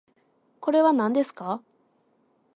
これはなんですか？